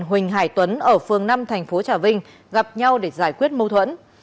mình hải tuấn ở phương năm thành phố trà vinh gặp nhau để giải quyết mâu thuẫn